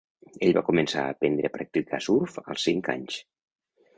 Ell va començar a aprendre a practicar surf als cinc anys.